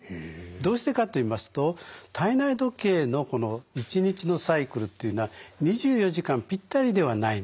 どうしてかといいますと体内時計のこの一日のサイクルっていうのは２４時間ぴったりではないんですね。